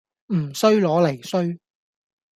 唔衰攞嚟衰